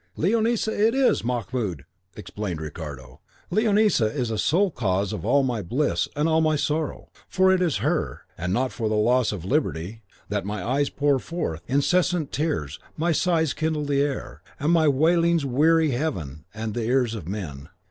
"Leonisa it is, Mahmoud," exclaimed Ricardo; "Leonisa is the sole cause of all my bliss and all my sorrow; it is for her, and not for the loss of liberty, that my eyes pour forth incessant tears, my sighs kindle the air, and my wailings weary heaven and the ears of men.